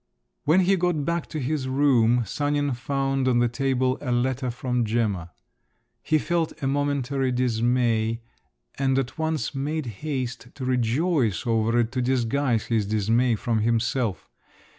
When he got back to his room, Sanin found on the table a letter from Gemma. He felt a momentary dismay, and at once made haste to rejoice over it to disguise his dismay from himself.